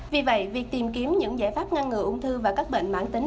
vì vậy việc tìm kiếm những giải pháp ngăn ngừa ung thư và các bệnh mãn tính